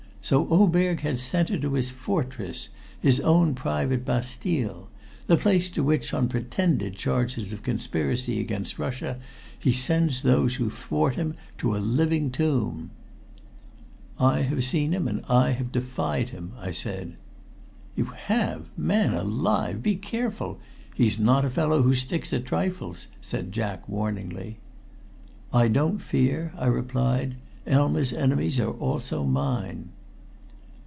So Oberg had sent her to his fortress his own private Bastille the place to which, on pretended charges of conspiracy against Russia, he sends those who thwart him to a living tomb." "I have seen him, and I have defied him," I said. "You have! Man alive! be careful. He's not a fellow who sticks at trifles," said Jack warningly. "I don't fear," I replied. "Elma's enemies are also mine."